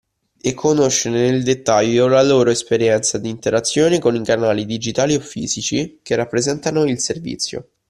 E conoscere nel dettaglio la loro esperienza di interazione con i canali digitali o fisici che rappresentano il servizio